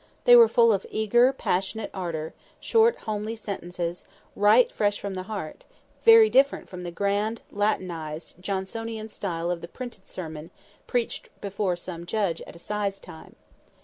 They were full of eager, passionate ardour; short homely sentences, right fresh from the heart (very different from the grand Latinised, Johnsonian style of the printed sermon preached before some judge at assize time).